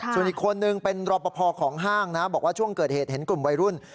ส่วนอีกคนนึงเป็นรอปภของห้างนะบอกว่าช่วงเกิดเหตุเห็นกลุ่มวัยรุ่น